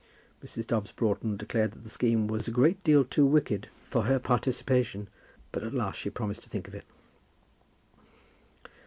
Mrs. Dobbs Broughton declared that the scheme was a great deal too wicked for her participation, but at last she promised to think of it.